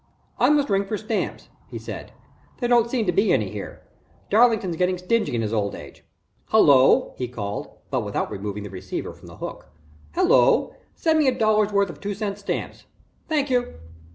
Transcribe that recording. "I must ring for stamps," he said. "There don't seem to be any here. Darlington's getting stingy in his old age. Hello," he called, but without removing the receiver from the hook. "Hello send me up a dollar's worth of two cent stamps thank you.